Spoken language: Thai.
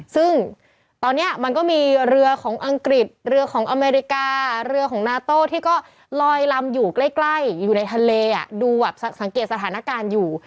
ซึ่งตอนนี้มันก็มีเรือของอังกฤษเรือของอเมริกาเรือของนาโต้ที่ก็ลอยลำอยู่ใกล้อยู่ในทะเลดูแบบสังเกตสถานการณ์อยู่